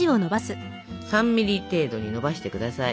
３ミリ程度にのばして下さい。